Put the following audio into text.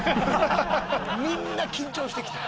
みんな緊張してきた。